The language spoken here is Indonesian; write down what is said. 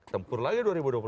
tempur lagi dua ribu dua puluh